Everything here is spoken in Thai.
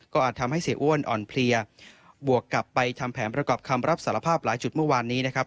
ก็อาจทำให้เสียอ้วนอ่อนเพลียบวกกลับไปทำแผนประกอบคำรับสารภาพหลายจุดเมื่อวานนี้นะครับ